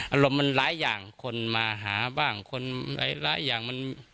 อารมณ์มันหลายอย่างคนมาหาบ้างคนหลายอย่างมัน